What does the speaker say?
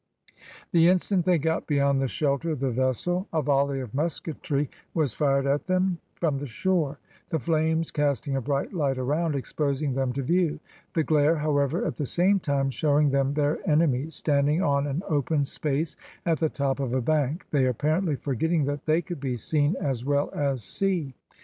The instant they got beyond the shelter of the vessel, a volley of musketry was fired at them from the shore, the flames casting a bright light around, exposing them to view; the glare, however, at the same time, showing them their enemies, standing on an open space at the top of a bank, they apparently forgetting that they could be seen as well as see.